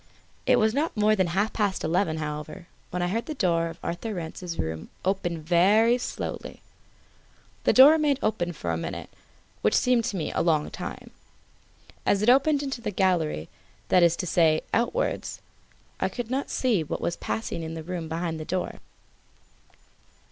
It was not more than half past eleven, however, when I heard the door of Arthur Rance's room open very slowly. The door remained open for a minute, which seemed to me a long time. As it opened into the gallery, that is to say, outwards, I could not see what was passing in the room behind the door.